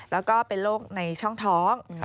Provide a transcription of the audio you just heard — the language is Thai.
แล้วก็เป็นโรคในช่องท้อง